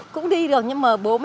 cũng đi được nhưng mà bố mẹ